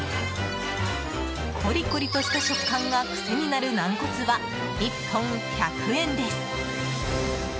コリコリとした食感がクセになる軟骨は１本１００円です。